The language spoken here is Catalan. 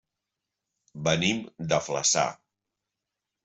Venim de Flaçà.